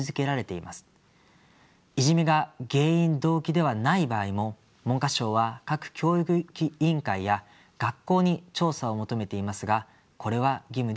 いじめが原因・動機ではない場合も文科省は各教育委員会や学校に調査を求めていますがこれは義務ではありません。